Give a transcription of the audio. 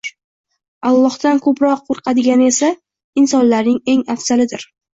Allohdan ko’proq qo’rqadigani esa, insonlarning eng afzalidir.